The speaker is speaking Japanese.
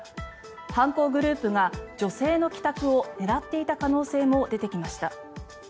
犯行グループが女性の帰宅を狙っていた可能性も出てきました。